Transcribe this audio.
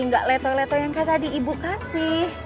nggak leto leto yang kayak tadi ibu kasih